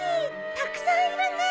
たくさんいるね。